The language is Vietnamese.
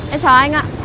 em chào anh ạ